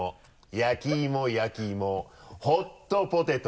焼き芋焼き芋ホットポテト。